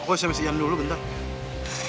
aku sms ian dulu bentar